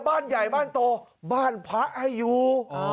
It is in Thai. บ้านใหญ่บ้านโตบ้านพระให้อยู่